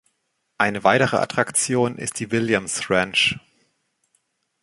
Eine weitere Attraktion ist die Williams Ranch.